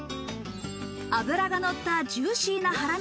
脂がのったジューシーなハラミ